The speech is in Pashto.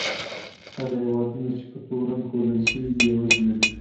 هغه هېوادونه چې په تور رنګ ښودل شوي، بېوزله دي.